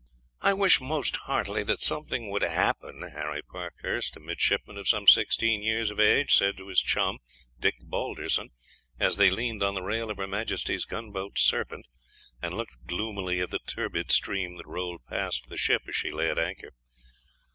"I wish most heartily that something would happen," Harry Parkhurst, a midshipman of some sixteen years of age, said to his chum, Dick Balderson, as they leaned on the rail of her majesty's gunboat Serpent, and looked gloomily at the turbid stream that rolled past the ship as she lay at anchor.